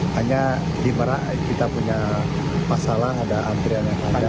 hanya di merak kita punya masalah ada antrian yang ada